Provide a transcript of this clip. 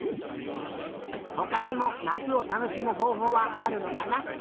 ほかにもなつをたのしむほうほうはあるのかな？